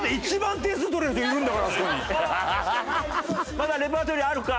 まだレパートリーあるか？